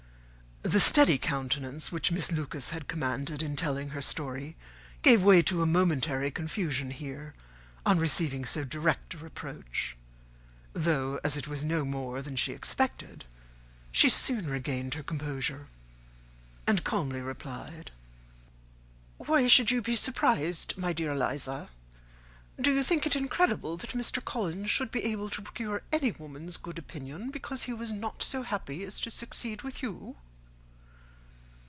The steady countenance which Miss Lucas had commanded in telling her story gave way to a momentary confusion here on receiving so direct a reproach; though, as it was no more than she expected, she soon regained her composure, and calmly replied, "Why should you be surprised, my dear Eliza? Do you think it incredible that Mr. Collins should be able to procure any woman's good opinion, because he was not so happy as to succeed with you?"